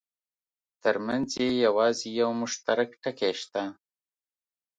ترمنځ یې یوازې یو مشترک ټکی شته.